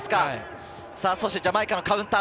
そしてジャマイカのカウンター。